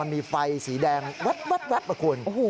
มันมีไฟสีแดงวัดอ่ะคุณ